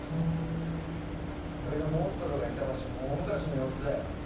これがモンストロがいた場所の大昔の様子だよ。